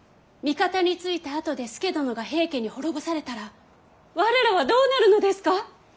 味方についたあとで佐殿が平家に滅ぼされたら我らはどうなるのですか。